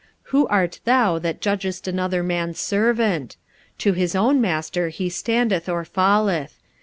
45:014:004 Who art thou that judgest another man's servant? to his own master he standeth or falleth.